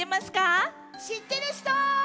しってるひと？